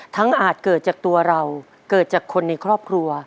อาจเกิดจากตัวเราเกิดจากคนในครอบครัว